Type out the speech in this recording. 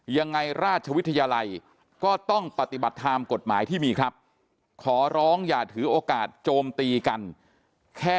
ยังไงราชวิทยาลัยก็ต้องปฏิบัติตามกฎหมายที่มีครับขอร้องอย่าถือโอกาสโจมตีกันแค่